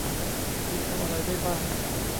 คุณทำอะไรได้บ้าง ?